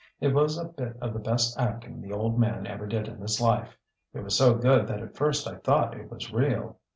It was a bit of the best acting the old man ever did in his life. It was so good that at first I thought it was real.